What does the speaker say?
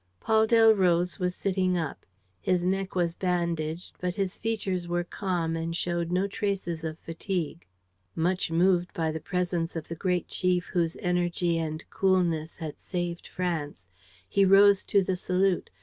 Paul Delroze was sitting up. His neck was bandaged; but his features were calm and showed no traces of fatigue. Much moved by the presence of the great chief whose energy and coolness had saved France, he rose to the salute.